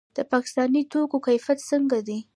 د پاکستاني توکو کیفیت څنګه دی؟